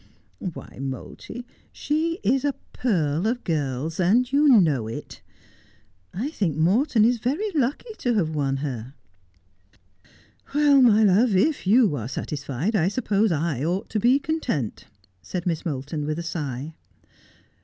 Why, Moulty. she is a pearl of girls, and you know it. I think Morton is very lucky to have won her.' ' Well, my love, if you are satisfied I suppose I ought to be content,' said Miss Moulton with a sigh.